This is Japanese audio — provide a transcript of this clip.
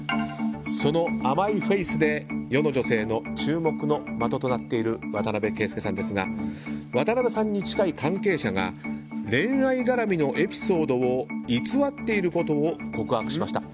その甘いフェースで世の女性の注目の的となっている渡邊圭祐さんですが渡邊さんに近い関係者が恋愛絡みのエピソードを偽っていることを告白しました。